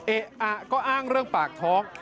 เอ๊ะอะก็อ้างเรื่องปากท้อง